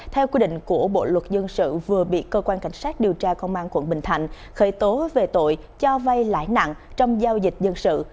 theo quy định của bộ luật dân sự vừa bị cơ quan cảnh sát điều tra công an quận bình thạnh khởi tố về tội cho vay lãi nặng trong giao dịch dân sự